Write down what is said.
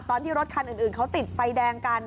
ตอนที่รถคันอื่นเขาติดไฟแดงกัน